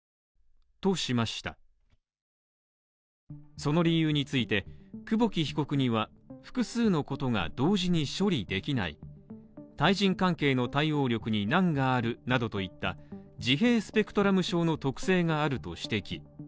その理由について久保木被告には複数のことが同時に処理できない対人関係の対応力に難があるなどといった自閉スペクトラム症の特性があると指摘。